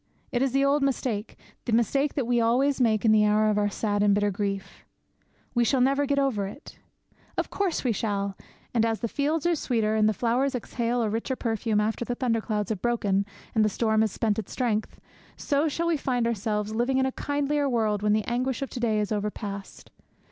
It is the old mistake, the mistake that we always make in the hour of our sad and bitter grief. 'We shall never get over it!' Of course we shall! And as the fields are sweeter, and the flowers exhale a richer perfume, after the thunder clouds have broken and the storm has spent its strength, so we shall find ourselves living in a kindlier world when the anguish of to day is over past.